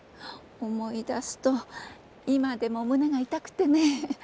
思い出すと今でも胸が痛くてね。